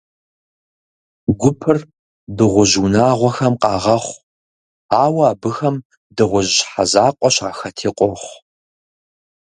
Гупыр дыгъужь унагъуэхэм къагъэхъу, ауэ абыхэм дыгъужь щхьэ закъуэ щахэти къохъу.